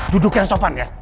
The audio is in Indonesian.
duduk yang sopan ya